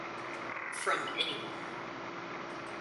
From anyone.